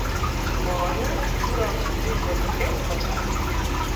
Mājai, kurā viņi dzīvoja, bija garš pagalms.